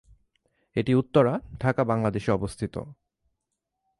এটি উত্তরা, ঢাকা, বাংলাদেশ অবস্থিত।